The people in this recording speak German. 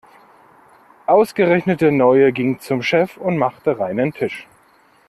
Ausgerechnet der Neue ging zum Chef und machte reinen Tisch.